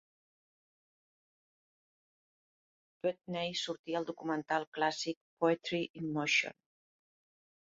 Dewdney sortia al documental clàssic "Poetry in Motion".